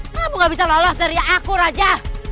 kamu gak bisa lolos dari aku raja